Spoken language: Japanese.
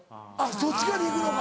どっちかに行くのか。